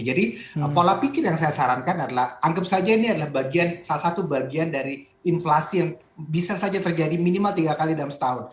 jadi pola pikir yang saya sarankan adalah anggap saja ini adalah bagian salah satu bagian dari inflasi yang bisa saja terjadi minimal tiga kali dalam setahun